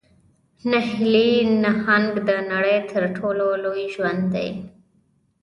نیلي نهنګ د نړۍ تر ټولو لوی ژوی دی